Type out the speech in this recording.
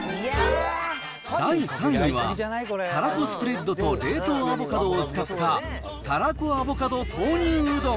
第３位はたらこスプレッドと冷凍アボカドを使った、たらこアボカド豆乳うどん。